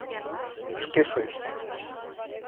Шке шойыштат!